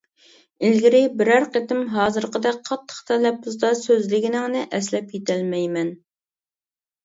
ئىلگىرى بىرەر قېتىم ھازىرقىدەك قاتتىق تەلەپپۇزدا سۆزلىگىنىڭنى ئەسلەپ يېتەلمەيمەن.